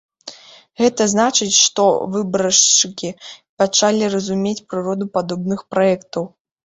Гэта значыць, што выбаршчыкі пачалі разумець прыроду падобных праектаў.